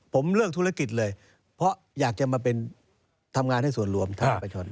ผมเลือกธุรกิจเลยเพราะอยากจะมาเป็นทำงานให้ส่วนรวมทั้งประชาชน